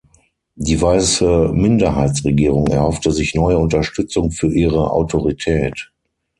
Die weiße Minderheitsregierung erhoffte sich neue Unterstützung für ihre Autorität.